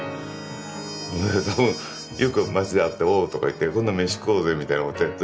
よく街で会って「おう！」とか言って「今度飯食おうぜ」みたいなことやって。